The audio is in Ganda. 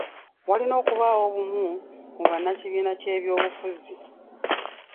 Walina okubaawo obumu mu bannakibiina ky'ebyobufuzi.